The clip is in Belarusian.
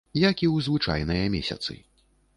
Як і ў звычайныя месяцы.